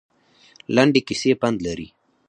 لنډې کیسې پند لري